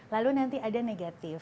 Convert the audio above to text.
lalu nanti ada negatif